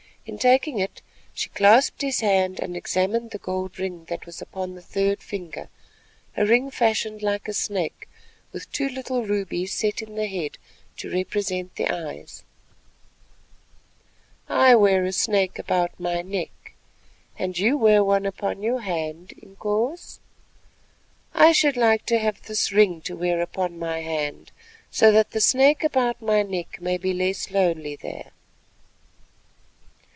In taking it she clasped his hand and examined the gold ring that was upon the third finger, a ring fashioned like a snake with two little rubies set in the head to represent the eyes. "I wear a snake about my neck, and you wear one upon your hand, Inkoos. I should like to have this ring to wear upon my hand, so that the snake about my neck may be less lonely there."